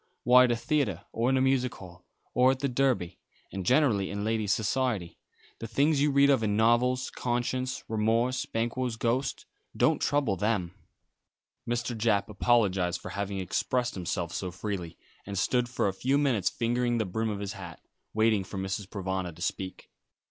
Why at a theatre or in a music hall, or at the Derby and generally in ladies' society. The things you read of in novels, conscience, remorse, Banquo's ghost, don't trouble them." Mr. Japp apologised for having expressed himself so freely, and stood for a few minutes fingering the brim of his hat, waiting for Mrs. Provana to speak.